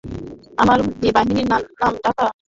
আর বাহিনীর নাম রাখা হয় দূর্দশাকালীন সময়ের বাহিনী।